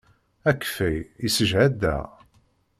Akeffay yessejhad-aɣ.